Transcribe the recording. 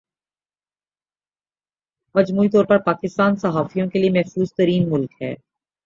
مجموعی طور پر پاکستان صحافیوں کے لئے محفوظ ترین ملک ہے